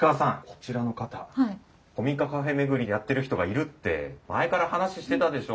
こちらの方古民家カフェ巡りやってる人がいるって前から話してたでしょ。